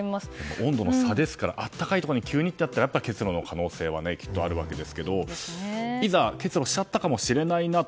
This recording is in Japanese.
温度の差ですから暖かいところにいたら結露の可能性はきっとあるわけですがいざ、結露してしまったかもしれないなと。